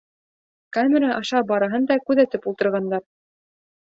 Камера аша барыһын да күҙәтеп ултырғандар.